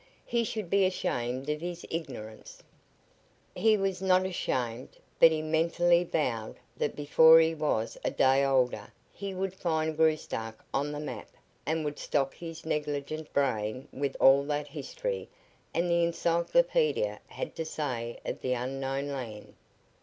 He should be ashamed of his ignorance." He was not ashamed, but he mentally vowed that before he was a day older he would find Graustark on the map and would stock his negligent brain with all that history and the encyclopedia had to say of the unknown land.